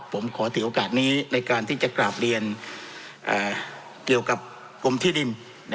ผมขอถือโอกาสนี้ในการที่จะกราบเรียนเกี่ยวกับกรมที่ดิน